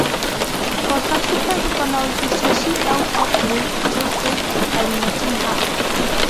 For subsequent family history, see Earl of Winchilsea and Nottingham.